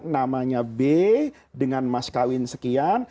namanya b dengan mas kawin sekian